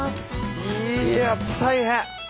いや大変！